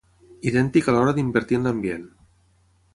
Idèntic a l'hora d'invertir en l'ambient.